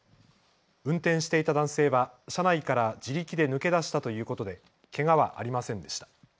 運転していた男性は車内から自力で抜け出したということでけがはありませんでした。